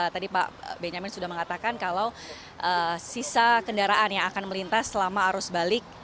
tadi pak benyamin sudah mengatakan kalau sisa kendaraan yang akan melintas selama arus balik